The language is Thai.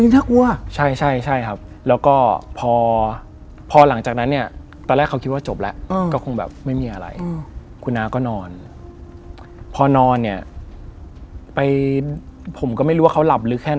ส่วนตัวเลยนะครับ